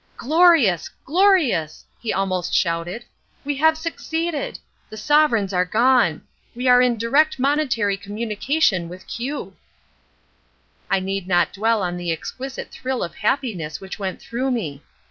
"Glorious, glorious," he almost shouted, "we have succeeded! The sovereigns are gone. We are in direct monetary communication with Q." I need not dwell on the exquisite thrill of happiness which went through me.